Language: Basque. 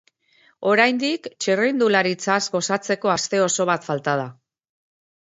Oraindik txirrindularitzaz gozatzeko aste oso bat falta da.